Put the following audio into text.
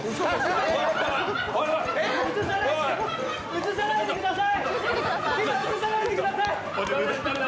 映さないでください！